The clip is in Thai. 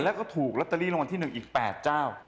แล้วก็ถูกลอตเตอรี่รางวัลที่๑อีก๘เจ้า